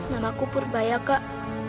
namaku purba ya kak